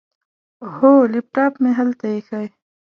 هو، لیپټاپ مې هلته ایښی.